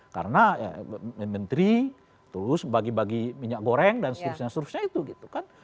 karena menteri terus bagi bagi minyak goreng dan seterusnya seterusnya itu gitu kan